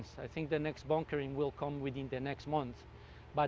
saya pikir bongkernya akan datang dalam bulan depan